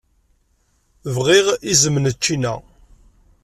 Bɣiɣ iẓem n ččina.